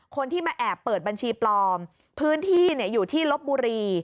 คนที่มาแอบเปิดบัญชีปลอมพื้นที่อยู่ที่ลบบุรี